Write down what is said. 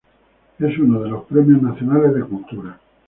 Es uno de los Premios Nacionales de Cultura.